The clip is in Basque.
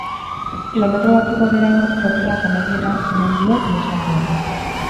Kilometro batzuk aurrerago, tropelak amaiera eman dio ihesaldiari.